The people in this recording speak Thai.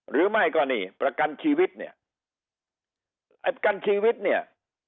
หรือไม่ก็นี่ประกันชีวิตเนี่ยไอ้ประกันชีวิตเนี่ย